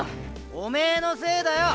おめーのせいだよ